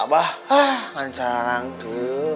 kan carang tuh